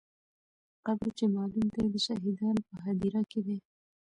قبر چې معلوم دی، د شهیدانو په هدیره کې دی.